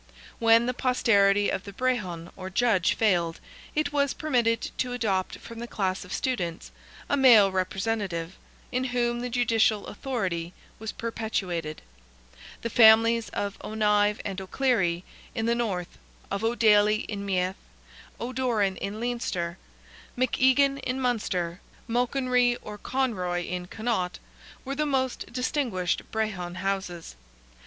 When the posterity of the Brehon, or Judge failed, it was permitted to adopt from the class of students, a male representative, in whom the judicial authority was perpetuated: the families of O'Gnive and O'Clery in the North, of O'Daly in Meath, O'Doran in Leinster, McEgan in Munster, Mulconry or Conroy in Connaught, were the most distinguished Brehon houses.